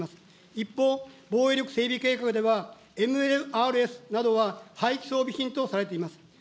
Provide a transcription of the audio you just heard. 一方、防衛力整備計画では、ＭＬＲＳなどは廃装備品とされています。